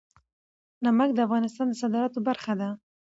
نمک د افغانستان د صادراتو برخه ده.